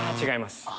違います。